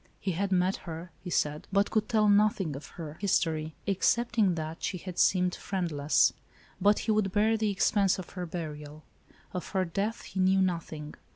He had met her, he said, but could tell nothing of her ALICE ; OR, THE WAGES OF SIN. 85 history, excepting that she had seemed friendless. But he would bear the expense of her burial. Of her death he knew nothing.